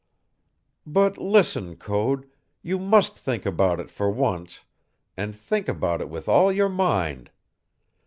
"But listen, Code, you must think about it for once, and think about it with all your mind.